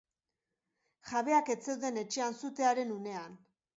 Jabeak ez zeuden etxean sutearen unean.